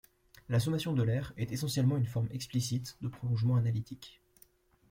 La sommation d'Euler est essentiellement une forme explicite de prolongement analytique.